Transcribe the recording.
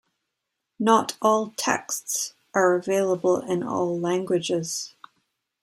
Not all texts are available in all languages.